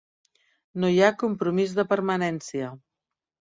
No hi ha compromís de permanència.